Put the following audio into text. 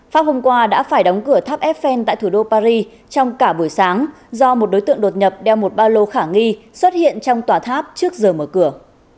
pháp hôm qua đã phải đóng cửa tháp eiffel tại thủ đô paris trong cả buổi sáng do một đối tượng đột nhập đeo một ba lô khả nghi xuất hiện trong tòa tháp trước giờ mở cửa